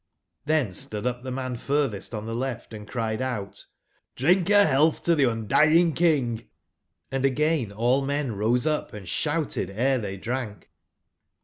XThen stood up the man furthest on the left and cried out: ''Drink a health to the Ondying King!" Hnd again all men rose up and shouted ere they drank.